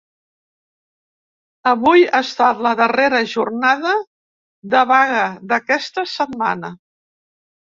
Avui ha estat la darrera jornada de vaga d’aquesta setmana.